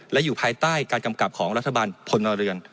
และอยู่ภายใต้การกำกับของรัฐบาลพลเรือน